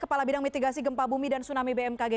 kepala bidang mitigasi gempa bumi dan tsunami bmkg